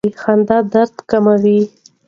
خندا درد کموي.